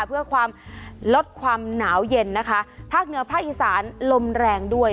เพื่อความลดความหนาวเย็นนะคะภาคเหนือภาคอีสานลมแรงด้วย